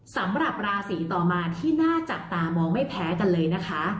สำหรับราศีต่อมาที่น่าจับตามองไม่แพ้กันเลยนะคะ